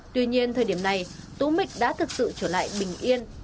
tuy nhiên thời điểm này tú mịch đã thực sự trở lại bình yên